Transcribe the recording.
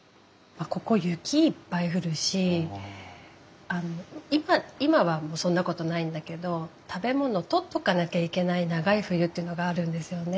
ここ雪いっぱい降るし今はもうそんなことないんだけど食べ物を取っとかなきゃいけない長い冬というのがあるんですよね。